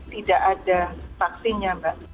tidak ada vaksinnya mbak